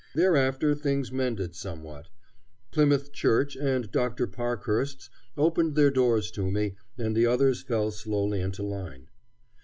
Thereafter things mended somewhat. Plymouth Church and Dr. Parkhurst's opened their doors to me and the others fell slowly into line.